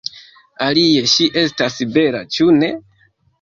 Alie, ŝi estas bela, ĉu ne?